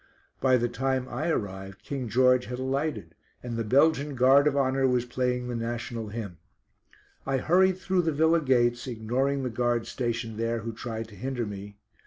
By the time I arrived King George had alighted, and the Belgian Guard of Honour was playing the national hymn. I hurried through the villa gates, ignoring the guards stationed there who tried to hinder me.